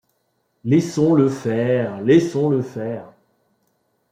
Laissons-le faire ! laissons-le faire !